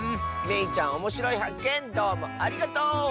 めいちゃんおもしろいはっけんどうもありがとう！